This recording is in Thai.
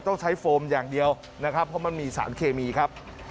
ต้องใช้โฟมอย่างเดียวนะครับเพราะมันมีสารเคมีครับ